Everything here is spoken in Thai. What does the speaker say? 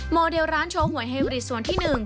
มอเดลร้านโชว์หมวยไฮบริตส่วนที่หนึ่ง